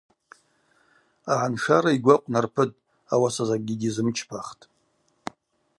Агӏаншара йгвы акъвнарпытӏ, ауаса закӏгьи гьизымчпахтӏ.